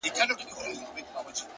• دا شی په گلونو کي راونغاړه ـ